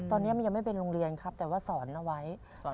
ตอนนี้มันยังไม่เป็นโรงเรียนครับแต่ว่าสอนเอาไว้